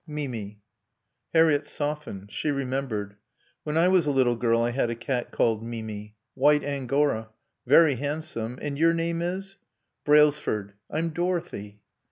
"Mimi." Harriett softened. She remembered. "When I was a little girl I had a cat called Mimi. White Angora. Very handsome. And your name is " "Brailsford. I'm Dorothy."